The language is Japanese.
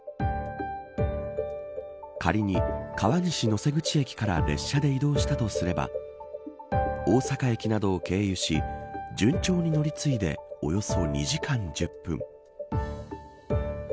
仮に川西能勢口駅から列車で移動したとすれば大阪駅などを経由し順調に乗り継いでおよそ２時間１０分。